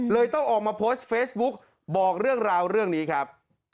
ต้องออกมาโพสต์เฟซบุ๊กบอกเรื่องราวเรื่องนี้ครับ